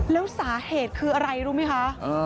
แล้วสาเหตุคืออะไรรู้ไหมคะ